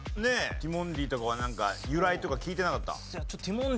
「ティモンディ」とかは由来とか聞いてなかった？